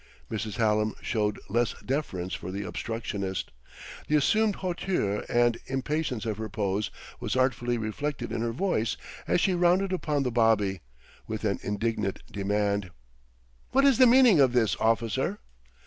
Mrs. Hallam showed less deference for the obstructionist. The assumed hauteur and impatience of her pose was artfully reflected in her voice as she rounded upon the bobby, with an indignant demand: "What is the meaning of this, officer?"